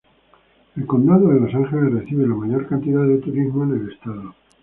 El condado de Los Ángeles recibe la mayor cantidad de turismo en el estado.